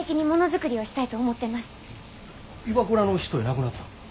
ＩＷＡＫＵＲＡの人やなくなったん？